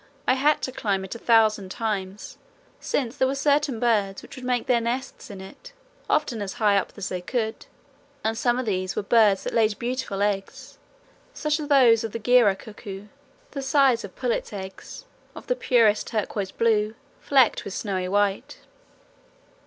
I had to climb it a thousand times, since there were certain birds which would make their nests in it, often as high up as they could, and some of these were birds that laid beautiful eggs, such as those of the Guira cuckoo, the size of pullets' eggs, of the purest turquoise blue flecked with snowy white.